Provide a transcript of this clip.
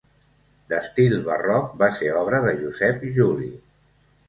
D'estil barroc, va ser obra de Josep Juli.